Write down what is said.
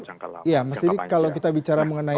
ya mas dedy kalau kita bicara mengenai